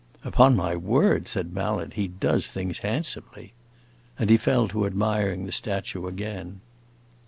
"Upon my word," said Mallet, "he does things handsomely!" And he fell to admiring the statue again.